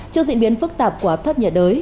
trước diễn biến phức tạp của áp thấp nhiệt đới